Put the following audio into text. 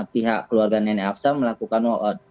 pihak keluarga nenek afsa melakukan walkout